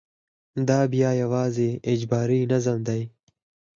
دا بیا یوازې اجباري نظم دی.